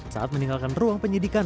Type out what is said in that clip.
saat meninggalkan ruang penyidikan